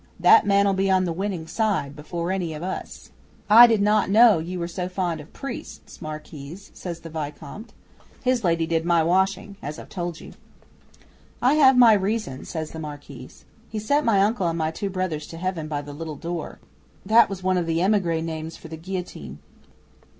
That man 'll be on the winning side before any of us." '"I did not know you were so fond of priests, Marquise," says the Vicomte. His lady did my washing, as I've told you. '"I have my reasons," says the Marquise. "He sent my uncle and my two brothers to Heaven by the little door," that was one of the emigre names for the guillotine.